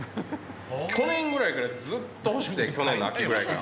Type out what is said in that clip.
去年ぐらいからずっと欲しくて、去年の秋ぐらいから。